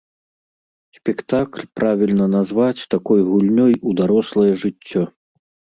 Спектакль правільна назваць такой гульнёй у дарослае жыццё.